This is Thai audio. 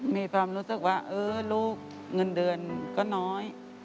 มีความรู้สึกว่าเออลูกเงินเดือนก็น้อย